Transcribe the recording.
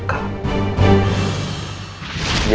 aku yakin kalau pernah lihat dia